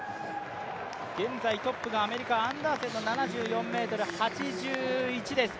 現在トップがアメリカアンダーセンの７４ｍ８１です。